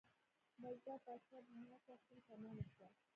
بس دا پارچه ما ته ښه تمامه شوه.